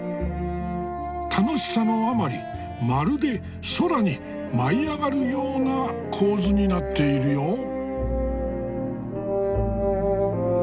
楽しさのあまりまるで空に舞い上がるような構図になっているよ。